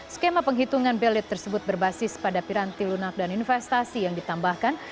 skema penghitungan belit tersebut berbasis pada piranti lunak dan investasi yang ditambahkan